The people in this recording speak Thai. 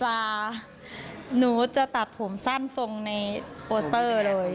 หนูจะตัดผมสั้นทรงในโปสเตอร์เลย